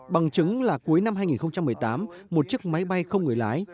bằng chứng là cuối năm hai nghìn một mươi tám một chiếc máy bay không người lái